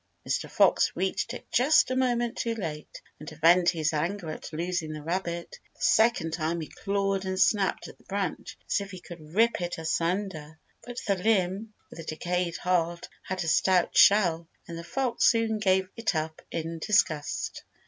Mr. Fox reached it just a moment too late, and to vent his anger at losing the rabbit the second time he clawed and snapped at the branch as if he would rip it asunder. But the limb, with a decayed heart, had a stout shell, and the fox soon gave it up in disgust.